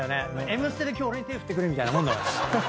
『Ｍステ』で今日俺に手振ってくれみたいなもん。